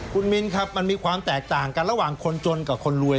คุณมินครับมันมีความแตกต่างกันระหว่างคนจนกับคนรวย